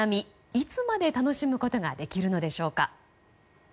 いつまで楽しむことができるのでしょうか。